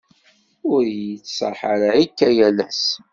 ur iyi-d-yettṣaḥ ara akka yal ass.